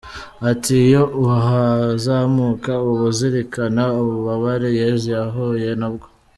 Ati “Iyo uhazamuka uba uzirikana ububabare Yezu yahuye nabwo.